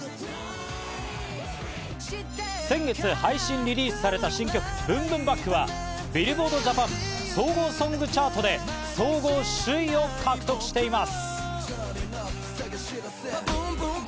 先月配信リリースされた新曲『ＢｏｏｍＢｏｏｍＢａｃｋ』は、ビルボードジャパン総合ソングチャートで総合首位を獲得しています。